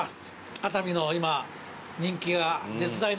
熱海の今人気が絶大なプリン。